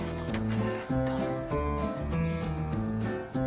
えーっと。